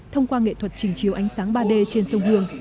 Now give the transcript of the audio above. thông qua nghệ thuật trình chiếu ánh sáng ba d trên sông hương